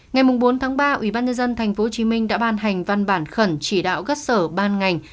ngày bốn ba ubnd tp hcm đã ban hành văn bản khẩn chỉ đạo gắt sở ban ngành